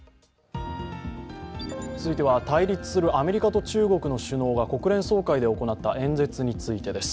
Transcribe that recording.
続いては対立するアメリカと中国の首脳が国連総会で行った演説についてです。